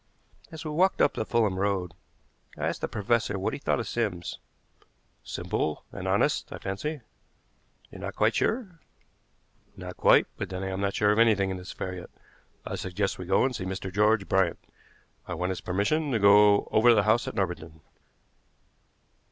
As we walked up the Fulham Road I asked the professor what he thought of Sims. "Simple and honest, I fancy." "You're not quite sure?" "Not quite, but then I am not sure of anything in this affair yet. I suggest we go and see Mr. George Bryant. I want his permission to go over the house at Norbiton."